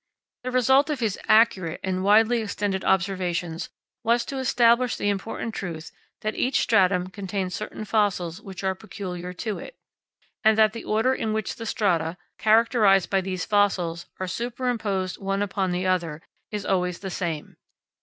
The result of his accurate and widely extended observations was to establish the important truth that each stratum contains certain fossils which are peculiar to it; and that the order in which the strata, characterised by these fossils, are super imposed one upon the other is always the same.